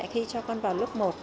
khi cho con vào lớp một